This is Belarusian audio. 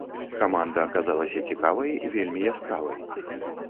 Каманда аказалася цікавай, вельмі яскравай.